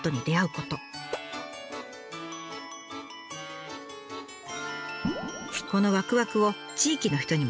「このワクワクを地域の人にも感じてほしい」。